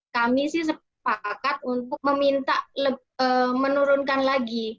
kami sih sepakat untuk meminta menurunkan lagi